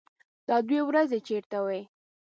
_دا دوې ورځې چېرته وې؟